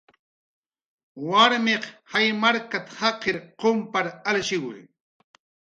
"Warmiq jaymarkat"" jaqir qumpar alshiwi"